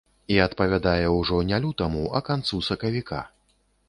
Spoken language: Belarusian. І адпавядае ўжо не лютаму, а канцу сакавіка.